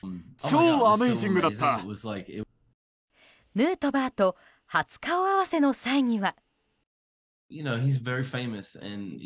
ヌートバーと初顔合わせの際には。